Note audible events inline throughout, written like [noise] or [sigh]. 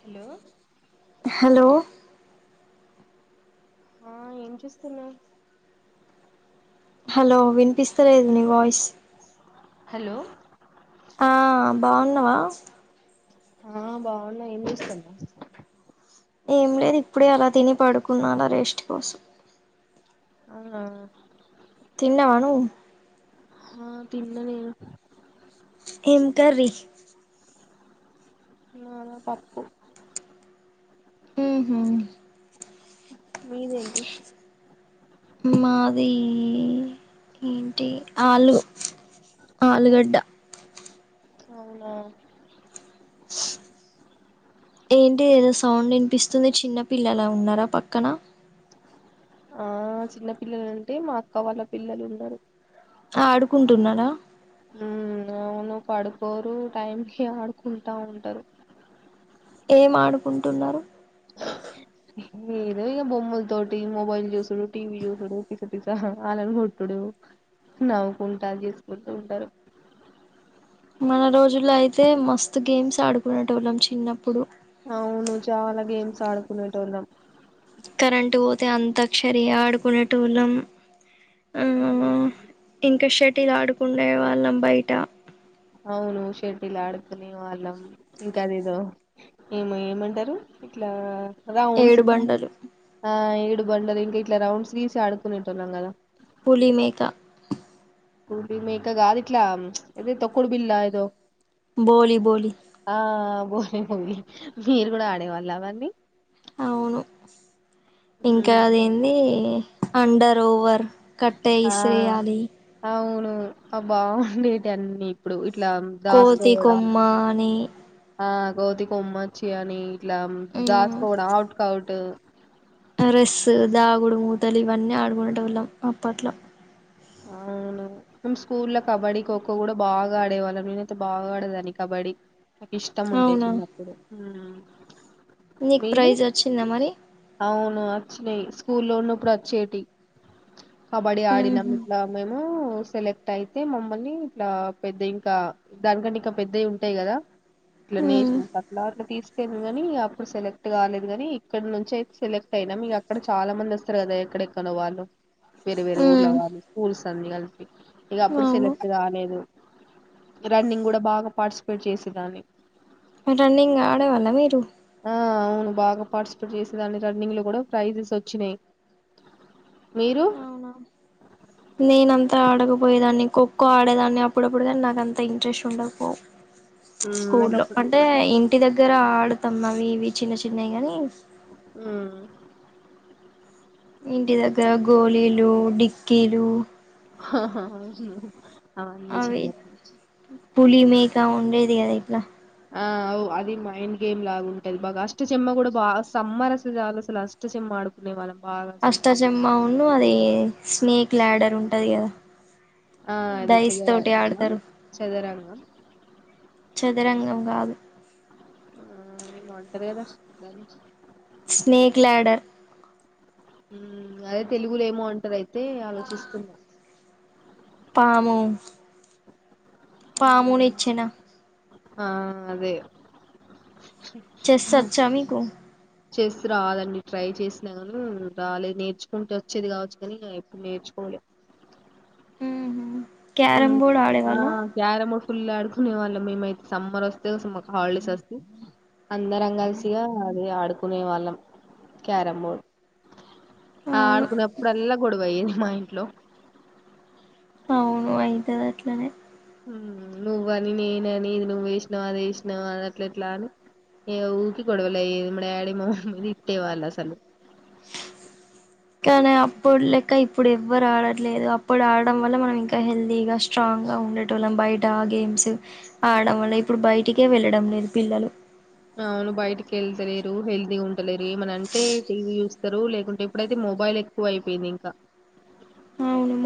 Hello hello ఆ ఏం చేస్తున్నా హలో విన్పిస్తలేదు నీ వాయిస్ హలో ఆ బావున్నావా ఆ బావున్నా ఏం చేస్తన్నావ్ ఏం లేదు ఇప్పుడే అలా తిని పడుకున్నాను రేస్ట్ కోసం ఆవు తిన్నవా ను ఆ తిన్న నేను ఏం కర్రీ నాలా పాప్పు ఊహూ మీదేంటి మాది ఏంటి ఆలూ ఆలుగడ్డ అవునా ఏంటి ఏదో సౌండ్ వినిపిస్తుంది చిన్న పిల్లలా ఉన్నారా పక్కన ఆ చిన్న పిల్లలు అంటే మా అక్క వాళ్ళ పిల్లలున్నారు ఆడుకుంటున్నారా ఉమ్మ్ అవును పడుకోరు టైం కి ఆడుకుంటా ఉంటారు ఏం ఆడుకుంటున్నారు ఏదో ఇగ బొమ్మల తోటి మొబైల్ చూసుడు టీ వీ చూసుడు పిసపిస హారన్ కొట్టుడు నవ్వుకుంటా చేసుకుంటూ ఉంటారు మన రోజుల్లో అయితే మస్తు గేమ్స్ ఆడుకొనేటోళ్ళం చిన్నప్పుడు అవును చాలా గేమ్స్ ఆడుకొనేటోళ్ళం కరెంటు పోతే అంతక్షరి ఆడుకొనేటోళ్ళం అ ఇంకా షెటిల్ ఆడుకుండే వాళ్ళం బయట అవును షటిల్ ఆడుకొనేళ్ళం ఇంకా అదేదో ఏమో ఏమంటారు ఇట్లా అదా ఉవును ఏడు [unintelligible] బండలు ఆ ఇ బండలు ఇంక ఇట్ల రౌండ్స్ గీసి అడుకొనేటోళ్ళం కదా పులి మేక పులి మేక కాదిట్లా ఏదో తొక్కుడు బిల్ల ఏదో బోలీ బోలీ బోలి బోలి మీరు కూడా ఆడేవాళ్ళా అవన్నీ అవును ఇంకా ఉమ్. అదేంది అండర్ ఓవర్ కట్టే ఆ ఇసరేయాలి అవును ఆ బాగుందిటెటి అన్ని ఇప్పుడు ఇట్లా కోతి దాసుకోవడం కొమ్మాని ఆ కోతి కొమ్మచ్చి అని ఇలా దాస్ కోవడం అఔట్ కి కౌట్ రెస్సు దాగుడు మూతలు ఇవన్నీ ఆడుకునేటోళ్లం అప్పట్లో అవును మేము స్కూలో కబడ్డీ ఖోఖో కూడా బాగా ఆడేవాళ్ళం నేనయితే బాగా ఆడదాని కబడ్డీ ఇష్టం ఉండే అవునా చిన్నప్పుడు హ్మ్మ్ నీకు ప్రైజ్ వచ్చిందా మరి ఆ వచ్చినయి స్కూల్లో ఉన్నప్పుడు వచ్చేటి కబడ్డి ఆడినాం ఉహు ఇట్లా మేము సెలెక్ట్ అయితే మమ్మల్ని ఇట్లా పెద్ద ఇంకా దానికంటే ఇంకా పెద్దవి ఉంటాయి కదా ఇట్లా ఉ నేచ [unintelligible] అట్లా అట్ల తీస్ క్టయ్యింది కానీ అప్పుడు సెలెక్ట్ కాలేదు కాని ఇక్కడ నుంచి అయితే సెలెక్ట్ అయినాం ఇగ అక్కడ చాలా మంది వస్తారు కదా ఎక్కడెక్కడనో వాళ్ళు వేరే వేరే ఉ ఊర్ల వాళ్ళు స్కూల్స్ అన్ని కలిపి ఇ ఇగ అప్పుడు అవును సెలెక్ట్ కాలేదు రన్నింగ్ కూడా బాగా పార్టిసిపేట్ చేసేదాన్ని రన్నింగ్ ఆడేవళ్ళా మీరు ఆ అవును బాగా పార్టిసిపేట్ చేసే దాన్ని రన్నింగ్ లో కూడా ప్రైజెస్ వచ్చినయి మీరు అంత ఆడకపోయేదాన్ని ఖోఖో ఆడేదాన్ని అప్పుడప్పుడు కానీ నాకంత ఇంట్రెస్ట్ ఉండకపోవ్ మ్మ్, నాకు స్కూలో అప్పుడు అంటే ఇ ఇంటి దగ్గర ఆడుతమ్మం అవి ఇవి చిన్న చిన్నయి గాని హ్మ్మ్ ఇంటి దగ్గర గోళీలు డిక్కీలు ఆహా అవి పులీ మేక క ఉండేది కదా ఇట్లా ఆ ఔ అది మైండ్ గేమ్ లాగా ఉంటది బాగా అష్టచమ్మ కూడా బాగా సమ్మర్ అస్తే చాలు అసలు అష్టచెమ్మ ఆడుకునే వాళ్ళం. బాగా అసలు అష్టచమ్మ ఉన్న అది స్నేక్ లాడర్ ఉంటది కదా ఆ అదో డైస్ తోటి చదరంగమా ఆడతారు చదరంగం చదరంగం కాదు హ్మ్మ్ మేము అంటవేమో గాని స్నేక్ లాడర్ అదే తెలుగులో ఏమో అంటారు అయితే ఆలోచిస్తున్నా పాము ఉమ్, పామును ఇచ్చిన ఆ అదే చేస్ అచ్చ మీకు చేస్ రాదండి ట్రై చేసినా కానీ రాలేదు నేర్చుకుంటే వచ్చేది కావచ్చు కానీ ఎప్పుడు నేర్చుకోలే క్యారమ్ బోర్డ్ ఆడే ఆ వాళ్ళం క్యారమ్ ఫుల్ ఆడుకునే వాళ్ళం మేమైతే సమ్మర్ ఓస్తే అసలు మాకు హాలిడేస్ అస్తే అందరం కలిసిగా అది ఆడుకునే వాళ్ళం క్యారం బోర్డ్ ఆ అవును ఆడుకున్నప్పుడల్లా గొడవ అయ్యేది మా ఇంట్లో అదిట్లనే మ్మ్ నువ్వని నేనని ఇది నువ్వేసినవు అది వేసినావా అది అట్ల ఎట్లా అని ఇగ ఊకి గొడవలు అయ్యేది మా డాడీ మా మమ్మి తిట్టే వాళ్ళు అసలు. కానీ అప్పుడు లెక్క ఇప్పుడు ఎవ్వరు ఆడట్లేదు అప్పుడు ఆడడం వల్ల మనం ఇంకా హెల్తీగా స్ట్రాంగ్ గా ఉండట టోళ్ళం బయట ఆ గేమ్స్ ఆడడం వల్ల ఇప్పుడు బయటికే వెళ్ళడం లేదు పిల్లలు. అవును బయటికి వెళ్తలేరు హెల్తీగా ఉంటలేరు ఏమన అంటే టీవీ చూస్తారు లేకుంటే ఇప్పుడైతే మొబైల్ ఎక్కువ అయిపోయింది ఇంకా.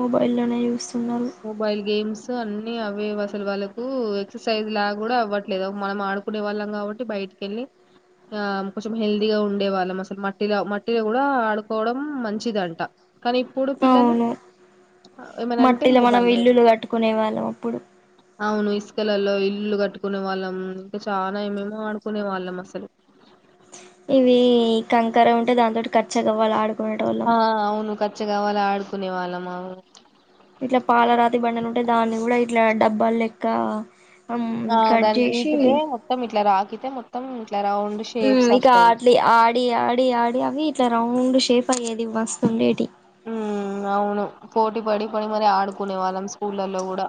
మొబైల్లోనే యూస్ మొబైల్ గేమ్స్ సొ అన్ని అవేవి అసలు వాళ్ళకు ఎక్సర్సైజ్ లా కూడా అవ్వట్లేదు మనం ఆడుకునే వాళ్ళం కాబట్టి బయటికి ఏళ్ళి ఆ కొంచెం హెల్దీగా ఉండే వాళ్ళం అసలు మట్టిల మట్టిల కూడా ఆడుకోవడం మంచిదంట కానీ ఇప్పుడు పిల్లలు ఏమనా అం టిల మనం ఇల్లులు కట్టుకునే వాళ్ళం అప్పుడు అవును ఇసుకలల్లో ఇల్లు కట్టుకునే వాళ్ళం ఇంకా చాలా ఏమేమో ఆడుకునే వాళ్ళం అసలు ఇవి కంకర ఉంటే దాంతోటి కచ్చగవ్వల ఆడు ఆ అవును కచ్చ గవలు ఆడుకునే వాళ్ళం అవును ఇట్లా పాలరాతి బండలు ఉంటే దాన్ని కూడా ఇట్లా డబ్బాలు లెక్క ఆ కట్ దానికి చేసి ఈకితే మొత్తం ఇట్ల రాకి తే మొత్తం ఇట్లా రౌండ్ ఊమ్ షేప్స్ ఇక వస్తాయి అట్లి ఆడి ఆడి ఆడి అవి ఇట్లా రౌండ్ షేప్ ప ఏది మస్తుండేటి ఊమ్ అవును పోటీ పడి పడి మరి ఆడుకునే వాళ్ళం స్కూళ్లల్లో కూడా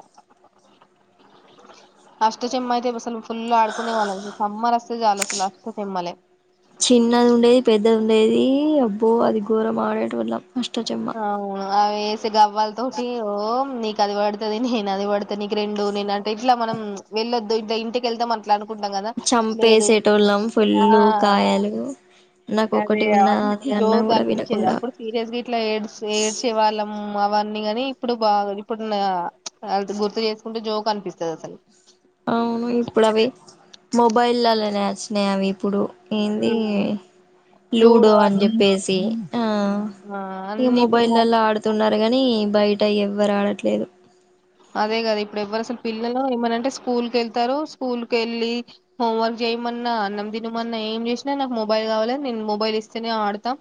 అష్టచమ్మ అయితే అసలు ఫుల్లు ఆడుకునేవాళ్ళం సమ్మర్ అస్తే చాలఅసలు దిమ్మలే చిన్నది ఉండేది పెద్దది ఉండేది అబ్బో అది ఘోరం ఆడేటోల్లం అవును అవే స్తే గవ్వలతోటి ఓం నీ కది పడుతది నేను అది పడుతె నీకు నేను అంటే ఇట్లా మనం వెళ్లొదు ఇంటికి వెళ్తాం అను చంపేసేటోళ్ళం ఆ ఫుల్లు కాయలు అదే నాకొక్కటి ఉన్న అవన్నీ అది అన్న కూడా వినకుండా ఏడ్చ్ ఏడ్చే వాళ్ళము మ్మ్ అవన్నీ కాని ఇప్పుడు బాగా ఇప్పుడున్న కదా ప్చ్ గుర్తు చేసుకుంటే జోక్ అనిపిస్తది అసలు అవును ఇప్పుడు వచ్చినయి అవి ఇప్పుడు ఏంది ఉమ్. లూడో అని చెప్పేసి ఆ ఆ ఇక అన్ని ఇప్పుడు మో మొబైల్లలో ఆడుతున్నారు తే కాని బయట ఎవ్వరు ఆడట్లేదు అదే కదా ఇప్పుడు ఎవ్వరు అసలు పిల్లలు ఏమనంటే స్కూల్ క వెళ్తారు స్కూల్ క వెళ్ళి హోంవర్క్ చేయమన్నా అన్నం తినమన్నా ఏం చేసినా నాకు మొబైల్ కావాలి నేను మొబైల్ ఇస్తేనే ఆడతా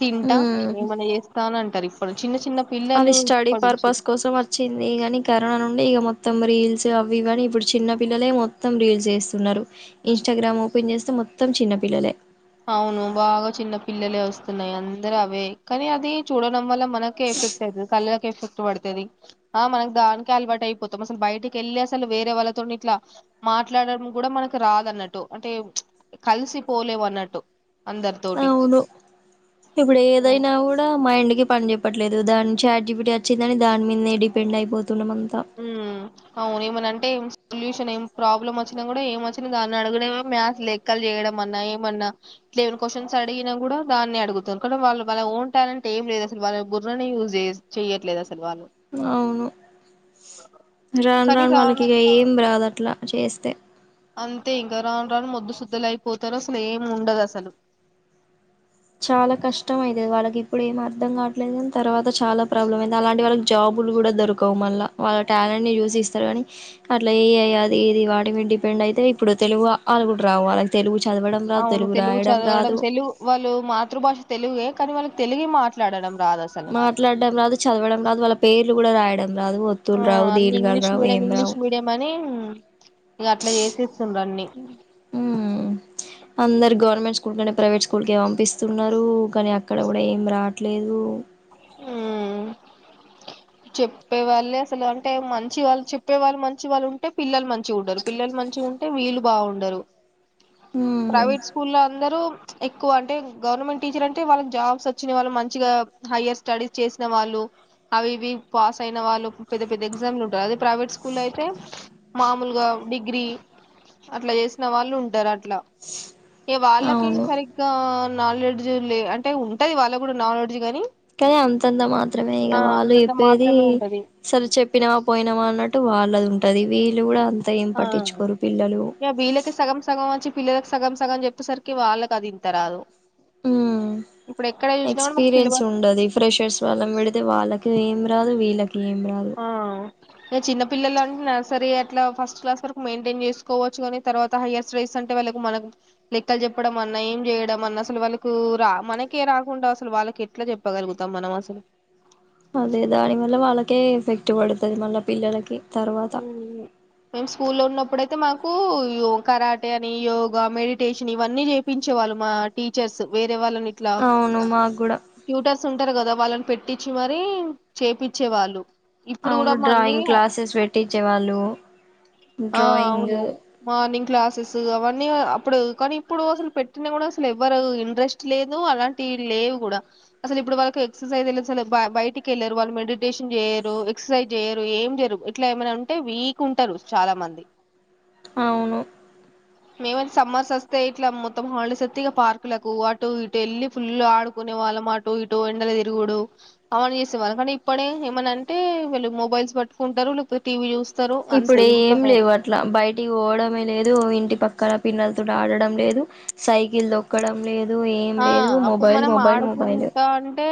తింటా మ్మ్ ఏమన్నా చేస్తా అని అంటారు చిన్న చిన్న అది పిల్లలు స్టడీ ఇప్పటి నుంచి పర్పస్ కోసం వచ్చింది కాని కరోనా నుండి ఇక మొత్తం రీల్స్ అవి కానీ ఇప్పుడు చిన్న పిల్లలే మొత్తం రీల్స్ వేస్తున్నారు ఇన్స్టాగ్రామ్ ఓపెన్ చేస్తే మొత్తం చిన్న పిల్లలే అవును బాగా చిన్న పిల్లలే వస్తున్నాయి అందరు అవే కానీ అది చూడడం వల్ల మనక ఎఫెక్ట్ అయితది కల్ ఎఫెక్ట్ పడుతది ఆ మనకు దానికి అలవాటు అయిపోతాం అసలు బయటకి వెళ్ళి అసలు వేరే వాళ్ళతో ఇట్లా మాట్లాడడం కూడా మనకి రాద అన్నట్టు అంటే కలిసి పోలేవు అన్నట్టు టు అవును ఇప్పుడు ఉమ్ ఏదైనా కూడా మా ఇంటికి పని చెప్ప చెప్పట్లేదు దాన్ చాట్జీపీటి వచ్చిందని దాని మీదే డిపెండ్ అయిపోతుంది మ్మ్ అవునేమనన్ అంటే సొల్యూషన్ ఏం ప్రాబ్లమ్ వచ్చినా కూడా ఏం వచ్చినా దాన్ని అడిగనే మ్యాథ్ లెక్కలు చేయడం అన్నా ఏమన్నా ఇట్లా ఏమ క్వశ్చన్స్ అడిగినా కూడా దాన్ని అడుగుతారు కా వాళ్ళు వాళ్ళ ఓన్ టాలెంట్ ఏం లేదు అసలు వాళ్ళ బుర్రనే యూజ్ చే చేయ్యట్లేదు అసలు వాళ్ళు అవును రాను కానీ రాను రాన్ వాళ్ళకి ఇక ఏం రాదు అట్లా చేస్తే అంతే ఇంకా రాను రాను మొద్దు శుద్ద్దల అయిపోతారు అసలు ఏం ఉండదు అసలు చాలా కష్టం అయితది వాళ్ళకి ఇప్పుడు ఏం అర్థం కావట్లేదుని తర్వాత చాలా ప్రాబ్లం అయింది అలాంటి వాళ్ళకి జాబులు కూడా దొరకవు మళ్ళ వాళ్ళ టాలెంట్ ని చూసిస్తారు కానీ అట్లా ఏ ఐ అది ఏది వాటి మీద డిపెండ్ అయితే ఇప్పుడు తెలుగు ఆ ఆ లు కూడా రావు వాళ్ళకి తెలుగు చదవడం రాదు తెలుగు రాయడం రాదు లు మాతృభాష తెలుగే కానీ వాళ్ళకి తెలుగు మాట్లాడడం రాదు అసలు మాట్లాడడం రాదు చదవడం రాదు వాళ్ళ పేర్లు కూడా రాయడ్ రావు ఆ ఒత్తులు రావు అన్ని దీర్ఘాలు రావు ఏం రావు ఇక అట్లా చేసేస్తుండన్ని మ్మ్ అందరు గవర్నమెంట్ స్కూల్ కానే ప్రైవేట్ స్కూల్ కే పంపిస్తున్నారు కానీ అక్కడ కూడా ఏమి రావట్లేదు హు చెప్పే వాళ్ళే అసలు అంటే మంచి వాళ్ళు చెప్పే వాళ్ళు మంచి వాళ్ళు ఉంటే పిల్లలు మంచిగా ఉండరు పిల్లలు మంచిగా ఉంటే వీళ్ళు బాగుండరు. మ్మ్ ప్రైవేట్ స్కూ ఊళ్ళో అందరూ ఎక్కువ అంటే గవర్నమెంట్ టీచర్ అంటే వాళ్ళకి జాబ్స్ వచ్చిన వాళ్ళు మంచిగా హైయ్యర్ స్టడీస్ చేసిన వాళ్ళు అవిఇవి అయిన వాళ్ళు పెద్ద పెద్ద ఎగ్జామ్లు ఉంట అదే ప్రైవేట్ స్కూల్ అయితే మామూలుగా డిగ్రీ అట్లా చేసిన వాళ్ళు ఉంటారు అట్లా ఏ వాళ్ళకి అవును సరిగ్గా నాలెడ్జ్ లే అంటే ఉంటది వాళ్ళ కూడా నాలెడ్జ్ గానీ కానీ అంతంతా మాత్రమే ఇక వాళ్ళు అంతంత చెప్పేది ది మాత్రమే ఉంటది చదువు చెప్పినమా పోయినమా అన్నట్టు వాళ్ళది ఉంటది వీళ్ళు కూడా అం ఆ వీళ్ళ కు సగం సగం వచ్చి పిల్లలకు సగం సగం చెప్పేసరికి వాళ్ళకి అది ఇంతా రాదు హు ఇప్పుడు ఎక్కడ చూసినా కూడా మాకు సిలబస్ ఎక్స్పీరియన్స్ ఉండది ఈ ఫ్రెషర్స్ వాళ్లను పెడితే వాళ్ళకి ఏమి కాదు వీళ్ళకి ఏం రాదు ఆ ఏ చిన్నపిల్లలు అంటే నర్సరీ ట్లా ఫస్ట్ క్లాస్ వరకు మెయింటైన్ చేసుకోవచ్చు కాని తర్వాత హయర్ స్ట్రైస్ అంటే వాళ్ళ మనకు లెక్కలు చెప్పడం అన్నా ఏం చేయడం అన్నా అసలు వాళ్ రా మనకే రాకుండా అసలు వాళ్ళకి ఎట్లా చెప్పగలుగుతాం మనం అసలు అదే దాని మల్ల వాళ్ళకే ఎఫెక్ట్ పడుతుది మళ్ళ పిల్లలకి తర్వాత హు హు మేము స్కూ స్కూల్లో ఉన్నప్పుడుతే మాకు య కరాటే అని యోగా మెడిటేషన్ ఇవన్నీ చేపించే వాళ్ళు మా టీచర్స్ వేే వాళ్ళని ఇట్లా అవును మాకు కూడా యు టర్స్ ఉంటారు కదా వాళ్ళని పెట్టించి మరి చేపిచ్చేవాళ్ళు ఆవును డ్రాయింగ్ క్లాసస్ పే టీచర్ వాళ్ళు డ్రాయింగ్ రన్నింగ్ క్లాసెస్ అవన్నీ అప్పుడు కానీ ఇప్పుడు అసలు పెట్టినా కూడా అసలు ఎవరు ఇంట్రెస్ట్ లేదు అలాంటివి లేవు కూడా అసలు ఇప్పుడు వాళ్ళకి ఎక్సర్సైజ్దు అసలు బయటికి వెళ్ళారు వాళ్ళు మెడిటేషన్ చేయరు ఎక్సర్సైజ్ చేయరు ఏం చేయరు ఇట్లా ఏమైనా ఉంటే వీక్ ఉంటారు చాలా మంది అవును మేమైతే సమ్మర్స్ వస్తే ఇట్లా మొత్తం హాలిడేస్ వస్తే ఇక పార్కులకు అటు ఇటు వెళ్ళి ఫుల్ ఆడుకునే వాళ్ళం. అటు ఇటు ఎండలు తిరుగుడు అవన్నీ చేసేవాళ్ళం. కాని ఇప్పుడే ఏమని అంటే వాళ్ళు మొబైల్స్ పట్టుకుంటారు. టీవీ చూస్తా ఇప్పుడు ఏం లేవు అట్లా బయటికి పోవడమే లేదు ఇంటి పక్కల పిల్లల తో ఆడడం లేదు సైకిల్ దొక్కడం లేదు ఏం ఆ లేదు అప్పుడు మొబైల్ మనం మొబైల్ మొబైల్ ఆడుకుంటా అంటే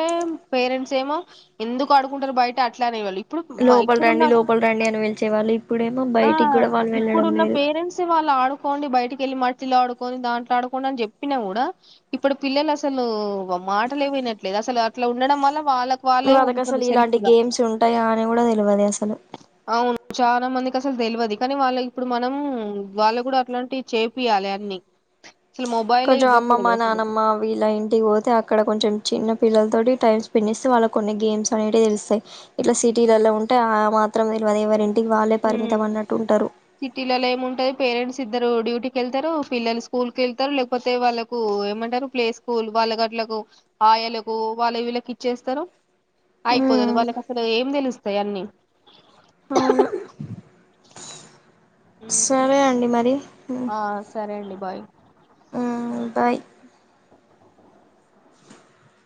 పేరెంట్ సేమో ఎందుకు ఆడుకుంటారు బయట అట్లా అనేవాళ్ళు ఇప్పుడు లోపల ఇప్పుడున్న రండి లోపల రండి అని పిలిచే వాళ్ళు ఇప్పుడేమో ఆ బయటికి కూడా వాళ్ళు వెళ్ళడం ఇప్పుడున్న లేదు పేరెంట్స్ వాళ్ళు ఆడుకోండి బయటికి వెళ్ళి మా పతిలు ఆడుకొని దాంట్లో ఆడుకొండి అని చెప్పినా కూడా ఇప్పుడు పిల్లలు అసలు మాటలే వినట్లేదు అసలు అట్లా ఉండడం వల్ల వాళ్ళకు వాళ్ళే వాళ్ళకు ఉంటారు అసలు సెల్ఫ్ ఇలాంటి గా గేమ్స్ ఉంటాయా అని కూడా తెలివదు అసలు అవును చాలా మందికి అసలు తెల్వదు కానీ వాళ్ళ ఇప్పుడు మనం వాళ్ళ కూడా అట్లాంటివి చేపియాలి అన్ని అసలు మొబైలే ఇవ్వకూడదు అస్ అనమ్మా వీళ్ళ ఇంటికి పోతే అక్కడ కొంచెం చిన్న పిల్లలతోటి టైమ్ స్పెండ్ చేస్తే, వాళ్ళకి కొన్ని గేమ్స్ అనేటివి తెలుస్తయ్. ఇట్లా సిటీలలో ఉంటే ఆ మాత్రం తెలివదు. ఎవరిన్ ఉమ్ సిటీలలో ఏమి ఉంటది పేరెంట్స్ ఇద్దరు డ్యూటీ వెళ్తారు పిల్లలు స్కూల్ కి వెళ్తరు. లేకపోతే వాళ్ళకు ఏమంటరు. ప్లే స్కూల్ వాళ్ళ గట్లకు ఆయలకు వాళ్ళ వీళ్ళకి ఇచ్చేస్తారు. అయిపోదు అది వాళ్ళకసలు ఏం తెలుసు అయన్ని అవును సరే అండి మరి ఆ సరే అండి బాయ్ అం బై